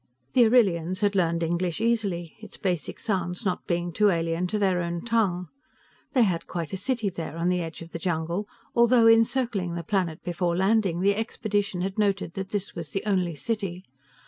The Arrillians had learned English easily, its basic sounds not being too alien to their own tongue. They had quite a city there on the edge of the jungle, although, in circling the planet before landing, the expedition had noted that this was the only city.